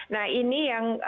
nah ini yang